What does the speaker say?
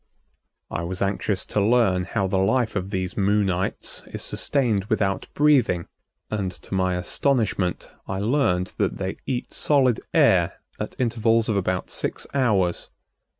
I was anxious to learn how the life of these Moonites is sustained without breathing and, to my astonishment, I learned that they eat solid air at intervals of about six hours.